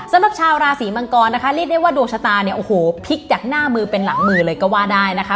สำหรับชาวราศีมังกรนะคะเรียกได้ว่าดวงชะตาเนี่ยโอ้โหพลิกจากหน้ามือเป็นหลังมือเลยก็ว่าได้นะคะ